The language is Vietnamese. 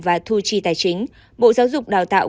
và thu chi tài chính bộ giáo dục đào tạo